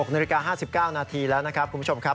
๖นาฬิกา๕๙นาทีแล้วนะครับคุณผู้ชมครับ